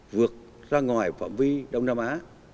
vượt ra ngoài phạm vi đông nam á